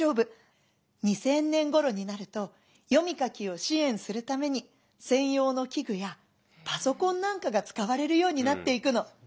２０００年ごろになると読み書きを支援するために専用の器具やパソコンなんかが使われるようになっていくの」。